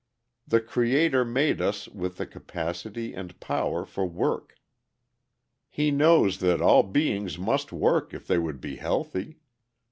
The Creator made us with the capacity and power for work. He knows that all beings must work if they would be healthy.